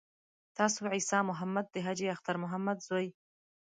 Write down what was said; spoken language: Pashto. تاسو عیسی محمد د حاجي اختر محمد زوی.